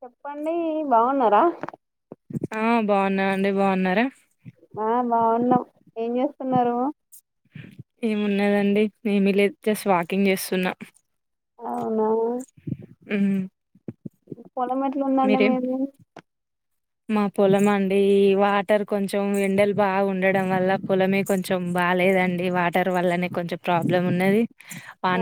చెప్పండి బాగున్నరా? ఆ బాగున్నాండి బాగున్నారా ఆ బాగున్నాం ఏం చేస్తున్నారు ఏమున్నదండి ఏమి లేదు జస్ట్ వాకింగ్ చేస్తున్నా అవునా మ్మ్ పొలం ఎట్లుందండి మీరేం మీది మా పొలం అండి వాటర్ కొంచెం ఎండలు బాగా ఉండడం వల్ల పొలమే కొంచెం బాలేదండి వాటర్ వల్లనే కొంచెం ప్రాబ్లం ఉన్నది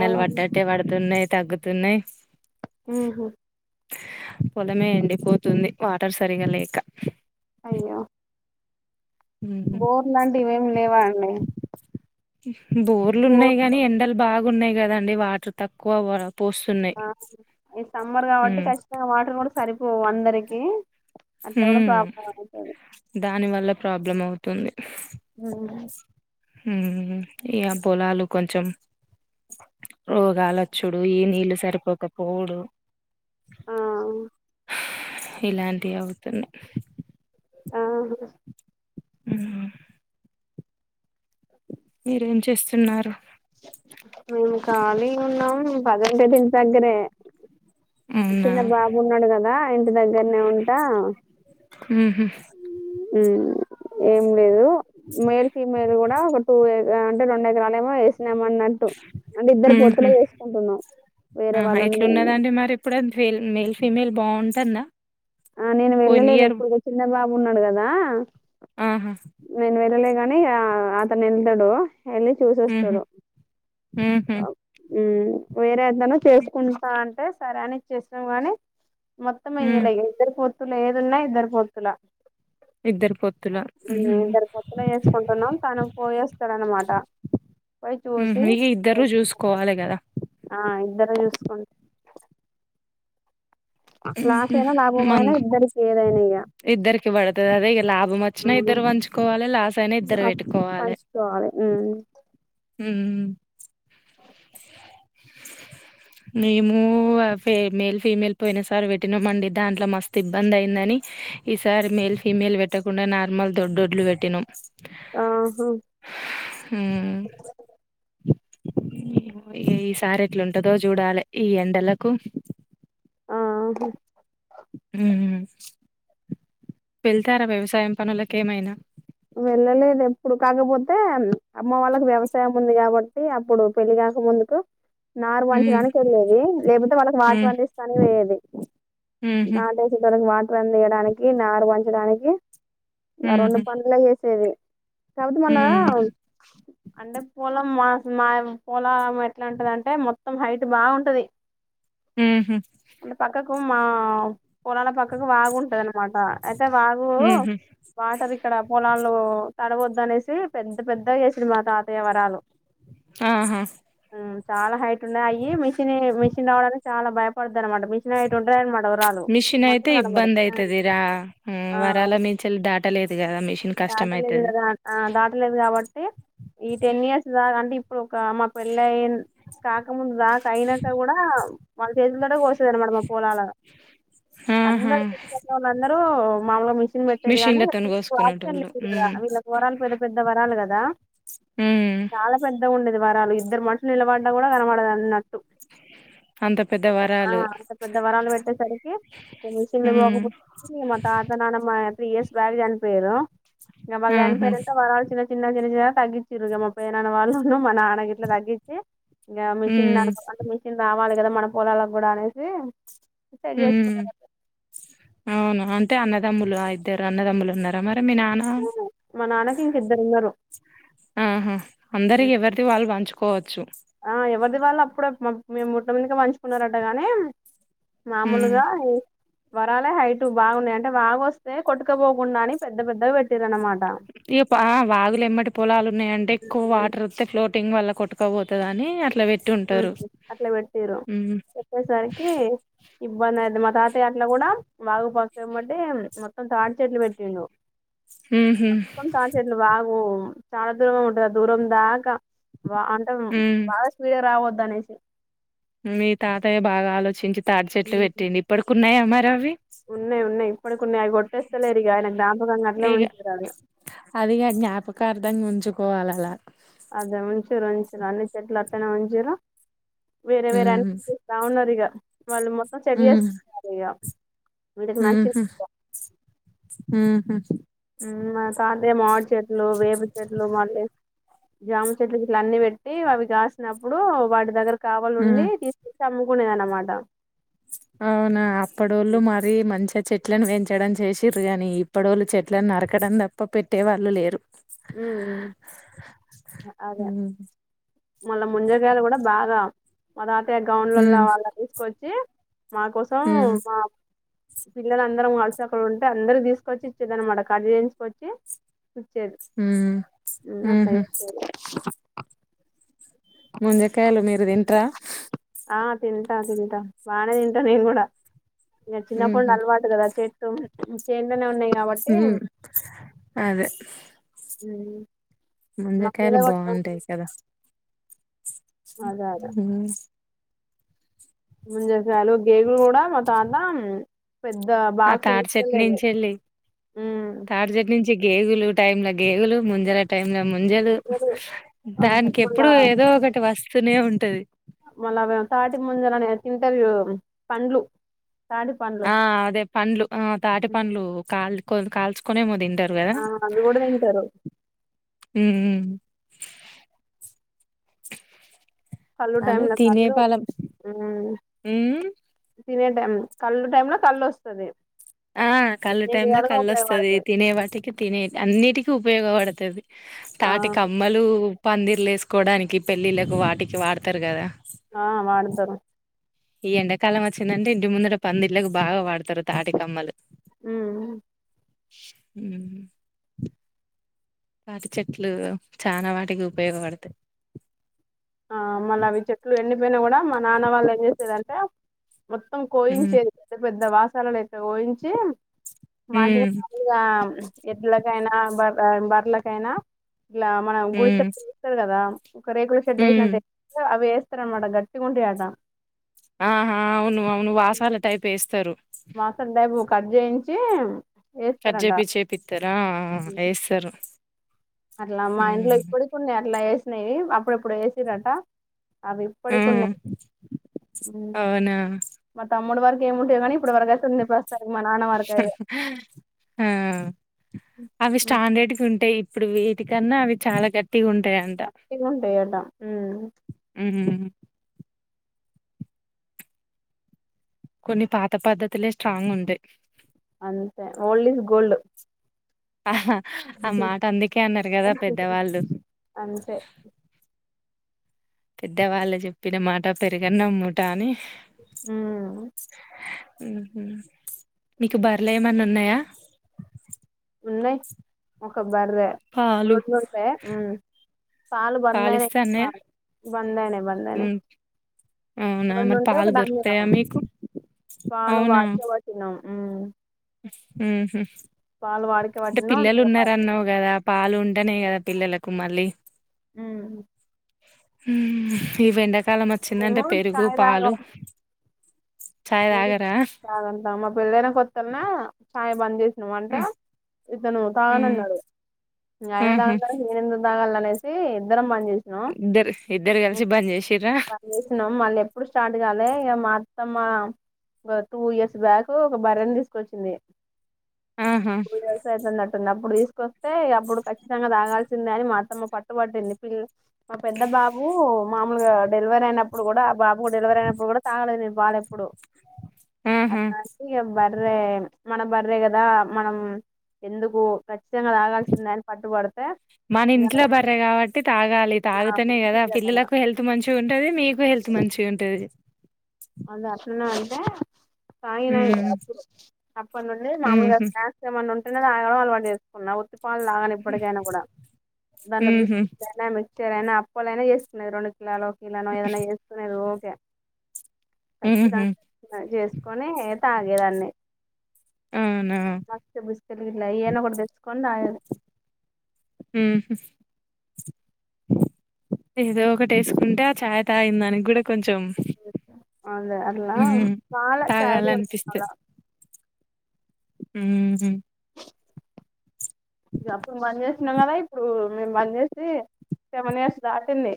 ఆ పడ్డట్టే పడుతున్నాయి తగ్గుతున్నాయి్ హ్మ్ హు పొలమే ఎండిపోతుంది వాటర్ సరిగా లేక అయ్యో ఉమ్. బోర్ లాంటివి ఇవేమి లేవా అండి ఇ బోర్లు బోర్ ఉన్నాయి కానీ ఎండలు బాగా ఉన్నాయి కదండి వాటర్ తక్కువ వర ఈ సమ్మర్ కాబట్టి ఖచ్చితంగా వాటర్ కూడా సరిపోవు అందరికి ఏ హ్మ్ దాని వల్ల ప్రాబ్లం అవుతుంది మ్మ్ మ్మ్ ఇగ పొలాలు కొంచెం రోగాలు వచ్చుడు ఈ నీళ్ళు సరిపోక పోవుడు ఆ ఇలాంటివి అవుతున్నాయి ఆహా మ్మ్ మీరేం చేస్తున్నారు మేము ఖాళీ ఉన్నాం పదదింటి దగ్గరే అవునా చిన్న బాబు ఉన్నాడు కదా టి దగ్గరనే ఉంట ఉహు మ్మ్ హ్మ్ ఏం లేదు మేల్ ఫీమేల్ కూడా ఒక టూ ఇగ అంటే రెండు ఎకరాలేమో ఎస్ నం మన్నట్టు అంటే ఇద్దరు ఉహు పొత్తులే చేసుకుంటున్నాం వేరే ఆహా వాళ్ళని మేము ఎట్లున్నదండి తంద ఆ నేను వెళ్ళలేదు ఎప్పుడు చిన్న బాబు ఉన్నాడు కదా ఆహా నేను వెళ్లలే గాని అతను ఎల్తడు ఎల్లి ఉహు చూసొస్తడు ఉహు ఉమ్ వేరే ఏదైనా చేసుకుంటా అంటే సరే అని ఇచ్చేసినం గానీ మొత్తం ఉమ్ ఇయ్యలే ఇగ పొత్తుల ఏదున్నా ఇద్దరు పొత్తుల ఇద్దరు పొత్తుల ఉహు ఇద్దరు పొత్తులో చేసుకుంటున్నాం. తను పోయేస్తాడన్నమాట పోయి చూసి ఉహు ఇగ ఇద్దరు చూసుకోవాలి కదా ఆ ఇద్దరు చూసుకుం ఉమ్ లాస్ హు అయినా లాభం మం అయినా ఇద్దరికి ఏదైనా ఇగ ఇద్దరికి బడుతుది అదే ఇగ లాభం వచ్చిన ఇద్దరు వంచుకోవా పంచుకోవాలే ఉమ్ మ్మూ మేము ఏ మేల్ ఫిమేల్ పోయిన సారి వెట్టినాం అండి. దాంట్లో మస్తు ఇబ్బంది అయిందని ఈసారి మేల్ ఫిమేల్ పెట్టకుండా నార్మల్ దొడ్డువడ్లు వెట్టినాం. ఆహా ఉమ్ ఏమో ఇగ ఈ సారి ఎట్లుంటదో చూడాలి. ఈ ఎండలకు ఆ మ్ ఉ వెళ్తారా వ్యవసాయం పనులకు ఏమైనా వెళ్ళలేదు ఎప్పుడు కాకపోతే అమ్మ వాళ్ళకి వ్యవసాయం ఉంది కాబట్టి అప్పుడు పెళ్లి కాక ముందుకు నారు ఉమ్ పంచడానికి వెళ్ళేది లేకపోతే వాళ్ళకి వాటరు ఉమ్ అందిస్తా అని వోయేది ఉహు నాటు ఏసేటోలకు వా రన్ తీయడానికి నారు వంచడానికి ఉమ్ హు పనులకు చేేసేదే సౌటుమన్నదా ఉమ్ అంటే పోలం మా మాది పోలం ఎట్లాంటిది అంటే మొత్తం హైట్ బాగ వుంటది. ఉమ్ హు కు మా పోలాల పక్క ఒక్క ను వాగు ఉంటది అనమాట అయితే వాగు ఉహు వాటర్ ఆ పొలాల్లో తడవద్దు అనేసి పెద్ద పెద్ద గా చేసిర్రు మా తాతయ్యవరాలు ఆహా హ్మ్ చాలా హైట్ ఉన్నాయి అయి మీ మిషిని మిషన్ రావడానికి చాలా భయం మిషన్ అయితే మంటలు కనబడవు ఇబ్బంది అయితది రా హ్మ్ వరాల మించల్ దాటలేదు గా దాటలు వినరా ఆ దాట్ ఉల్లెన్ గవాన్ అంటే ఈ టెన్ ఇయర్స్ దాకా అంటే ఇప్ ఒక మా పెళ్లి అయిన్ కాకముందు నాకు అయినంక కూడా ఆ వాళ్ చేతులు తోటే కోషు మంచిది అనమాట మ పొలాల ఆహా అందరు గుర్తొచ్చి వాళ్ళందరూ మాది కూడా మిషన్ పెట్టేది గానీ మిషన్లతోని ఆప్షన్ కోసుకునేటోళ్ళు లేదు కదా ఉమ్ వీళ్ళ కోరాలు పెద్ద పెద్ద వరాలు కదా ఉ పది వారాలు ఇద్దరు మనుషులు నిలబడ్డా కూడా కనవడదు అన్నట్టు అంత పెద్ద ఆ వరాలు అంత పెద్ద వరాలు పెట్టేసరికి మిషన్లు ఉమ్ ఇవ్వకపోతిరి మా తాత నాన్నమ్మ ప్రియస్ బ్యాగు గన్ పేరా నా వాళ్ళు ఆహా చనిపోయినంక వరాలు చిన్న చిన్న గా జనజా తగ్గించిర్ గా మా పేనాన్న వాళ్ళు మా నాన్న గిట్లా తగ్గించి ఇంగ మిషన్ ఉమ్ నడుపు అంటే మిషన్ రావు ఇవ్వాలి కదా మన పొలాలకు కూడా అనేసి సెట్ హ్మ్ చేసుకున్నారు అవును అంటే అన్నదమ్ములు ఆ ఇద్దరు అన్నదమ్ములు ఉన్నారా మరి మీ నాన్న మా నాన్నకి ఇంక ఇద్దరు ఉన్నారు ఆహా అందరికి ఎవరిది వాళ్ళు వంచుకు కోవచ్చు ఆ ఎవ్వరు దీప్ వాళ్ళు అప్పుడే మేము ముట్ట ముందే మంచుకున్నారంట గాని ఉమ్ మామూలుగా వరాలే హైటు బాగున్నాయి అంటే బాగ వస్తే కొట్టుకపోకుండా అని పెద్ద పెద్ద పెట్టిరు అన్నమాట ఇ బా వాగులు ఎమ్మటి పొలాలు ఉన్నాయంటే ఎక్కువ ఉమ్, వాటర్ వస్తే ఫ్లోటింగ్ వల్ల కొట్కపోతదని అట్లా పెట్ హుమ్ అట్ల పెట్టీరు చెప్పేసరికి ఇబ్బందయిది తాతయట్ల గుడా వాగు వర్షం పట్టి మొత్తం తాటి చెట్లు పెట్టిండు ఉహు మొత్తం తాటి చెట్లు బాగు చాలా దూరమే ఉంటద దూరం దాకా వా అంటం ఉమ్ బాగా ఈడ రావద్దనేసి మీ తాతయ్య బాగా ఆలోచించి తాడి చెట్లు పెట్టింది ఇప్పటికి ఉన్నాయ మరి అవి ఉన్నాయ్ ఉన్నాయ్ ఇప్పటి కున్నయ్ అవి కొట్టేస్తలేరు ఇక ఆయనకు జ్ఞాపకంగా అట్లే ఇగ ఉంచుతరు ఆళ్లు కోవాలలా అదే ఉంచూరు ఉంచూరు అన్ని చెట్లు అత్తనే ఉంచూరు వేరే వేరే అన్ని హ్మ్ చూస్తా ఉన్నరిగా వాళ్ళు మొత్తం సెట్ చేసుకుంటారు ఇగ వీళ్ళకి హు నచ్చిన హు హుమ్ హుమ్ మా తాతేమో మామిడి చెట్ చెట్లు వేపు చెట్లు మళ్ళీ జాము చెట్లు ఇట్ల అన్ని పెట్టి అవి కాసినప్పుడు వాటి దగ్గర హ్మ్. కావాలుండి తీసి కున్నయన మాట అవునా అప్పడోళ్ళు మరీ మంచి చెట్లను పెంచడం చేసిర్రు కానీ ఇప్పడోళ్ళు చెట్లను నరకడం తప్ప పెట్టే వాళ్ళు లేరు హు హుమ్ అదే హ్మ్. మళ్ళా ముంజగాయలు గుడా బాగా మదా గౌన్లల హ్మ్. వాల తీసుకొచ్చి మా కోసం హ్మ్. మా పిల్లల అందరం కలిసి అక్కడ ఉంటే అందరు తీసుకొచ్చి ఇచ్చేదనమాట కర్రీ చేయించుకొచ్చి స హ్మ్. ఎన్న పై హుహు. స ముంజ కాయలు మీమ్ తింట్రా ఆ తింటా తింటా బానే తింటా నేను గుడా ఇగ చిన్నప్పుడి నుండి హుహు. అల్వాటు గదా చెట్టు చేన్లనే ఉన్నాయి కాబట్టి ఊ అదే ఊ ముంజకాయలు బావుంటాయి కదా అదే అదే ఊ ముంజకాయలు గేగులు గూడా మా తాత్ దాన్ పెద్ద ఆ బాక్స్ తాటి చెట్టు తీసుకెళ్లేది నుంచెళ్ళి తాడిచెట్టు నుంచి గేగులు టైమ్ లో గేగులు ముంజల టై లో ముంజలు అబ్బ, దానికి ఎప్పుడు ఏదో ఒకటి వస్త ఉత్తనే ఉంటది మల్ల అదా తాటి ముంజ లని ంట [inaudible] పండ్లు తాటి పండ్లు ఆ అదే పండ్లు ఆ తాటి పండ్లు కాల్ కాల్చు కునే మోదింది తింటారు గదా.. ఆ అవి కూడా తింటారు ఊ ఊ కల్లు టైం అదే ళ తినే కల్లు ఫలం ఉమ్ తినే కళ్ళు టైమ్ లో కళ్ళు వస్తది ఆ కళ్ళు అన్ని టై లో విధాలుగా కళ్ళు వస్తది తినే ఉపయోగపడతాయి వాటికి తినే అన్నిటికిీ ఉపయోగపడ తెల్సి ఆ తాటి కమ్మలు పందిర్లు వేసుకోవడానికి పెళ్ళిళ్ళలకు వాటికి వాడతారు గదా ఆ వాడుతరు ఈ ఎండాకాలం వచ్చిందంటే ఇంటి ముందుట పందిళ్ళలకు బాగా వాడతారు తాటికమ్మలు ఊ ష్ తాటి చెట్లు చాలా వాటికి ఉపయోగపడతాయి ఆ మళ్ళీ అవి చెట్లు ఎండి పోయినా కూడా మా నాన్న వాళ్ళు ఏం చేసేదంటే మొత్తం హ్మ్ కోయిించేది పెద్ద పెద్ద వాస్ సరేలెక్క ఊయించి హ్మ్ [unintelligible] ఎడ్లకైనా బ బర్లకైనా ఇట్లా మనం గుడిసే హ్మ్ చేస్తాడు కదా కరే షడ్ హ్మ్ ఏసినట్టు అవి ఇతర మట గట్టిగా ఉంటాయట ఆహా అవును అవును వాసాల టైప్ వేస్తారు మా సందు ఆయమ్మ కానీ చేయించి వేస్తారట కర్జేపి చేపిత్తారా ఉమ్. వేస్తారు అట్లా మా ఇంట్లో ఇప్పటికి ఉండే అట్లా వే నవి అప్పుడు ఎప్పుడో ఏసిరట అవి ఆ ఇప్పటికి ఉన్నాయి ఉ అవునా మా తమ్ముడి వారికి ఏముంటేది కాని ప్పు వరగా [unintelligible] ఆ అవి స్టాండర్డ్ కి ఉంటయి ఇప్పుడు వీటి కన్నా అవి చాలా గట్ గట్టిగా ఉంటాయట ఉ ఉ కొన్ని పాత పద్ధతులే స్ట్రాంగ్ ఉంటాయి అంతే ఓల్డ్ ఇస్ గోల్డ్ హా ఆ మాట అందుకే అన్నారు కదా పెద్దవాళ్ళు అంతే పెద్దవాళ్ళు చెప్పిన మాట పెరిగన్నమ్ముటా అని ఉ మీకు బార్లు ఏమన్నా ఉన్నాయా ఉన్నాయి ఒక బర్రే పాలు రెండుంటయా పాలు బంద్ అయినాయి పాలిస్తే పా అన్నయ్య బంద్ అయినా బంద్ అయినాయి హ్మ్ అవునా మరి రెండుంటే ఒక పాలు దొరుకుతాయా దన్నిం మీకు పాలు వాడిచేవాటిన్నాం ఉహు పాలు వాడికే అంటే పట్టినాం పిల్లలు ఇక వాడికే ఉన్నారన్నావు కదా పాలు ఉంటనే కదా పిల్లలకు మళ్ళీ ఉ ఇవెండా కాలం మేము వచ్చిందంటే పెరుగు, చాయ్ పాలు తాగం చాయ్ మేము తాగరా తాగుంటాం మా పెళ్ళైైన కొత్తన్నా చాయ్ బనంది వంట అతను హ్మ్ తాగనన్నాడు ఇగ అయినా ఊహూ తాగుతా [unintelligible] నేను అందుకు తాగాలి అయితే ఇద్దరం మంచి ఇద్దరు ఇద్దరు కలిసి బంద్ చేసిర్రా పని చేసినం మళ్ళీ ఎప్పుడు స్టార్ట్ కాలి ఇక అత్తమ్మ ఒక టూ ఇయర్స్ బ్యాక్ ఒక బర్రె నీ తీసుకొచ్చింది ఆహా టూ ఇయర్స్ అయితున్నట్టున్న ఉంది అప్పుడు తీస్ అయితే అప్పుడు ఖచ్చితంగా తాగాల్సి ంది అని మా అత్తమ్మ పట్టుబట్టింది పిల్ మా పెద్ద బాబు మామలుగా డెలివర్ అయినప్పుడు కూడా బాబు ఉ డెలివరీ అయినప్పుడు కూడ తగలే నేను వాడెప్పుడు ఆహా అట్లా [unintelligible] ఇగ బర్రే మన బర్రే కదా మనం ఎందుకు ఖచ్చితంగా తాగాల్సిందే అని పట్టుబడితే మన ఇగ ఇంట్లో బర్రె కాబట్టి తాగాలి తాగుతేనే కదా పిల్లలకు హెల్త్ మంచి ఉంటది మీకు హెల్త్ మంచి ఉంటది అదే అట్లానే అంటే తగ్గిన ఇగ హ్మ్ అప్పుడు అప్పటి నుండి మామూలుగాారు ఊహూ స్నాక్స్ ఏమన్నా ఉ తాగడం అలవాటు చేసుకున్నా పాళ లాగానే ఇప్పటికైనా కూడా దాంట్లో ఊహూ బిస్కట్ అయినా మ ఏది అయినా అప్ప అయిన చేసుకునేది రెడు కిలో ఇలా నో ఏదన్నానా చేసుకునేది [unintelligible] ఊహూ ఖచ్చితంగా చేసుకొని తగ్గేదని అవునా మస్త బిస్కెట్లు గిట్ల ఎయనా ఒకటి తెచ్చుకోని తగ్గేది ఉహూ ఏదో ఒకటి వేసుకుంటే ఆ చాయ్ తాగిందానికి కూడా కొంచెం అదే అట్లా మ్మ్ చాలా చా [unintelligible] ఉహూ ఇక అప్పుడు బంద చేసన్నాం కదా ఇప్పుడు మేము బంద చేసి సెవెన్ ఇయర్స్ దాటింది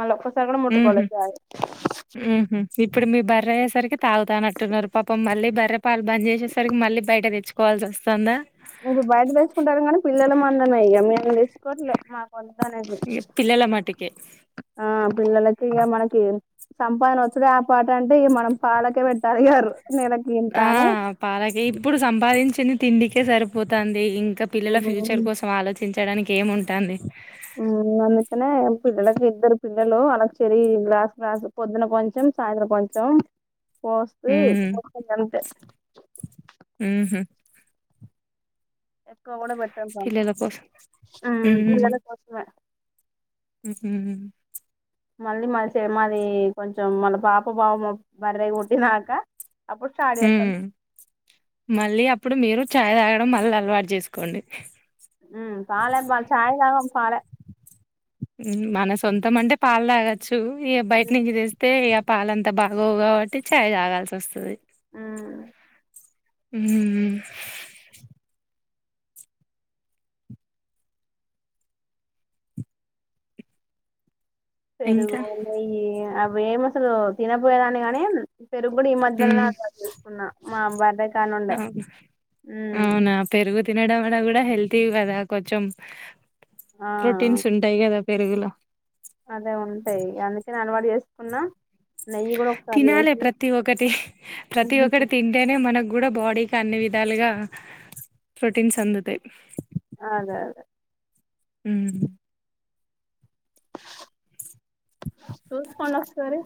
మళ్ళ సగడు మ్హు ముట్టుకోలే చాయ్ మ్హు ఇప్పుడు మీ బర్ర అయేసరికి తాగుతాన అంటటున్నారు పాపం మళ్ళీ బర్ర పాలు బంద్ చేసేసరికి మళ్ళీ బయట తెచ్చుకోవాల్సి వస్తాదా ఇప్పుడు బయట తెచ్చుకుంటానం కానీ పిల్లల మందమే ఇక మేము తెసుకోవట్లే ఇ పిల్లల మాటికే ఆ పిల్లలకి ఇక మనకి సంపాదన వచ్చడే ఆ పాట అంటే ఇక మనం పాలకే పెట్టాలి యరు ఆ పాలకే ఇప్పుడు సంపాదించను తిండికే సరిపోతంది ఇంకా ఇక పిల్లల ఫ్యూచర్ కోసం ఆలోచించి చ్చడానికి ఏముంటందీ ఊ అందుకనే పిల్లలకు ఇద్దరు పిల్లలు వాళ్ళకు చెరి గ్లాస్ గ్లాస్ పొద్దున కొంచెం సాయంత్రం కొంచెం పోస్తి మ్మ్ పోస్తా గంతే మ్హు కూడా పెట్టాడాము పిల్లల కోసం ఊ పిల్లాల కోసమే ఉహు మళ్ళీ మ సే మాది కొంచెం మళ్ళ పాప బావమరిది పుట్టినాక అప్పుడు స్టార్ట్ హు చేస్తాం మళ్ళీ అప్పుడు మీరు చాయ్ తాగడం మళ్ళీ అలవాటు చేసుకోండి ఊ పాల చాయ్ తాగరు పాలే ఉ మన సొంతం అంటే పాలు తాగచ్చు ఈ బయట నుంచి తెస్తే పాలంతా బాగోవు కాబట్టి చాయ్ తాగాల్సి వస్తది ఉ ఊ పెరుగు ఇంకా నెయ్యి ఆ మేము అసలు తినరు పోయేదాని గాని పెరుగు కూడా ఈ మధ్యలో అలవాటై ఉన్నా మా [unintelligible] అవున ఉమ్ అవునా పెరుగు తిన [unintelligible] హెల్తీ కదా కొంచెం ఆ ప్రోటీన్స్ ఉంటాయి కదా పెరుగులా అదే ఉంటాయి అందుకని అలవాటు చేసుకున్నా నెయ్యి కూడా ఒకసారి తినాలి చేసిన ప్రతి ఒక్కటి ప్రతి ఒక్కటి తింటేనే మనకు కూడా బాడీకి అన్ని విధాలుగా ప్రొటీన్స్ అందుతాయి అదే అదే హు తూ కొన వస్త రు